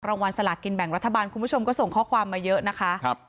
รางวัลสลากินแบ่งรัฐบาลคุณผู้ชมก็ส่งข้อความมาเยอะนะคะ